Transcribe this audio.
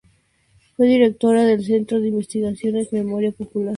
Fue directora del centro de investigaciones Memoria Popular Latinoamericana de La Habana.